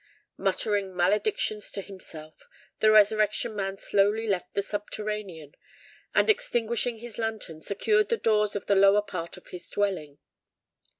Muttering maledictions to himself, the Resurrection Man slowly left the subterranean, and extinguishing his lantern, secured the doors of the lower part of his dwelling.